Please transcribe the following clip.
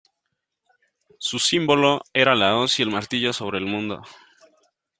Su símbolo era la hoz y el martillo sobre el mundo.